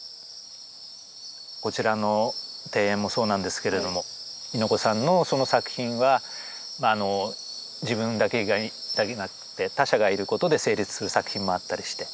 こちらの庭園もそうなんですけれども猪子さんのその作品は自分だけじゃなくて他者がいることで成立する作品もあったりして。